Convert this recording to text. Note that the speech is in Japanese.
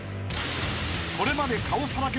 ［これまで］